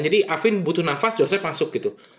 jadi afin butuh nafas joseph masuk gitu